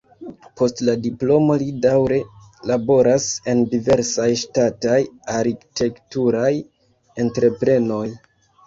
Post la diplomo li daŭre laboras en diversaj ŝtataj arkitekturaj entreprenoj.